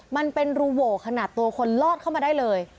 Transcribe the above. มันเป็นรูโหวขนาดตัวคนลอดเข้ามาได้เลย